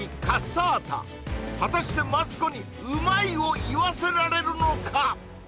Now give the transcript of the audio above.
カッサータ果たしてマツコにうまいを言わせられるのか？